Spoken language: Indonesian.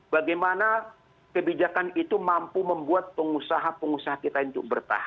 bagaimana kebijakan itu mampu membuat pengusaha pengusaha keras